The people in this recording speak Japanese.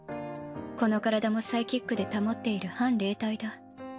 この体もサイキックで保っている半霊体だ。